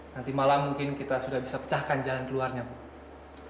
nanti malam mungkin kita sudah bisa pecahkan jalan keluarnya bu